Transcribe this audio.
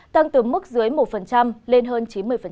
tăng từ mức dưới một lên hơn chín mươi